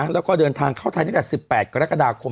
แล้วก็เดินทางเข้าไทยตั้งแต่๑๘กรกฎาคม